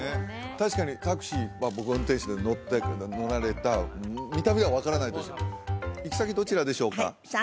確かにタクシー僕が運転手で乗られた見た目は分からないとしても「行き先どちらでしょうか？」